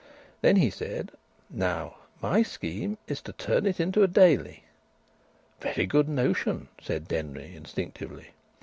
Then he said: "Now my scheme is to turn it into a daily." "Very good notion," said Denry, instinctively.